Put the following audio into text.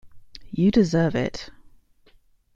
You deserve it.